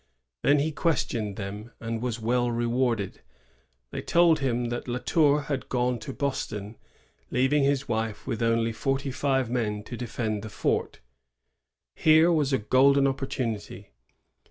Then he ques tioned them, and was well rewarded. They told him that La Tour had gone to Boston, leaving his wife with only forty five men to defend the fort. Here was a golden opportunity.